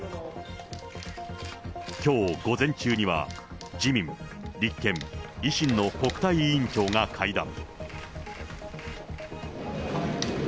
きょう午前中には、自民、立憲、維新の国対委員長が会談。